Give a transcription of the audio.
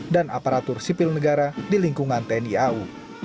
dan aparatur sipil negara di lingkungan tni au